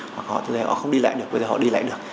hoặc họ không đi lại được bây giờ họ đi lại được